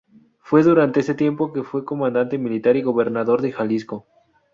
Fue durante ese tiempo que fue comandante militar y gobernador de Jalisco.